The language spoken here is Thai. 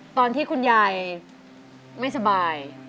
ตอนที่คุณยายไม่สบาย